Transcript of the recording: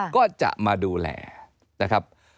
ก็จะมาดูแลนะครับ